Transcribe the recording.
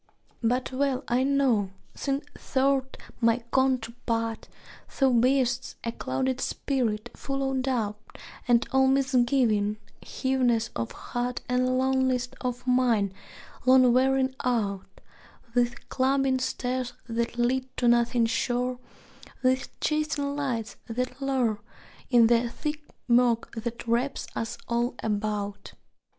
But well I know since thou 'rt my counterpart Thou bear'st a clouded spirit; full of doubt And old misgiving, heaviness of heart And lonliness of mind; long wearied out With climbing stairs that lead to nothing sure, With chasing lights that lure, In the thick murk that wraps us all about.